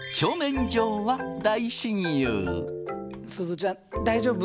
すずちゃん大丈夫？